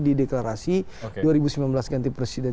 dideklarasi dua ribu sembilan belas ganti presiden